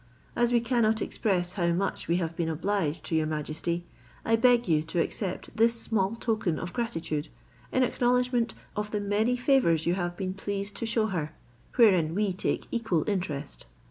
As we cannot express how much we have been obliged to your majesty, I beg you to accept this small token of gratitude in acknowledgment of the many favours you have been pleased to shew her, wherein we take equal interest."